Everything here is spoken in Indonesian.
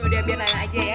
yaudah biar nanya aja ya